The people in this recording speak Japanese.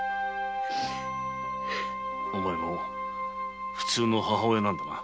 お前もふつうの母親なんだな。